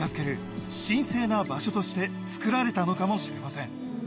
としてつくられたのかもしれません。